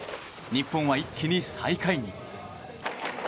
日本は一気に最下位に。